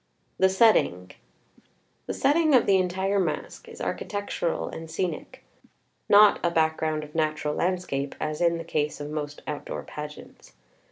THE SETTING The setting of the entire Masque is architectural and scenic, not a background of natural landscape as in the case of most outdoor pageants.